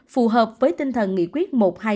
phù hợp với tinh thần nghị quyết một hai